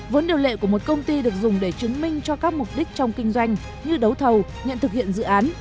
vốn điều lệ của một công ty được dùng để chứng minh cho các mục đích trong kinh doanh như đấu thầu nhận thực hiện dự án